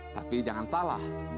tapi jangan salah